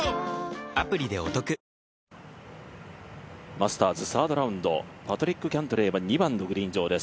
マスターズ、サードラウンドパトリック・キャントレーは２番のグリーン上です。